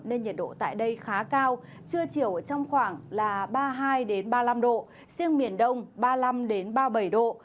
nên nhiệt độ tại đây khá cao trưa chiều trong khoảng là ba mươi hai ba mươi năm độ riêng miền đông ba mươi năm ba mươi bảy độ